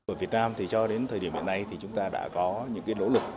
ở việt nam thì cho đến thời điểm hiện nay thì chúng ta đã có những lỗ lực